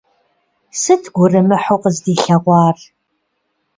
Сыт гурымыхьу къыздилъэгъуар?